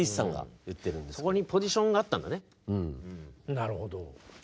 なるほど。